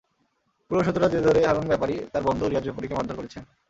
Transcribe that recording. পূর্বশত্রুতার জের ধরে হারুন ব্যাপারী তাঁর বন্ধু রিয়াজ ব্যাপারীকে মারধর করেছেন।